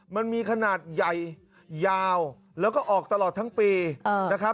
มันมีขนาดใหญ่ยาวแล้วก็ออกตลอดทั้งปีนะครับ